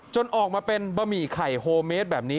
ออกมาเป็นบะหมี่ไข่โฮเมสแบบนี้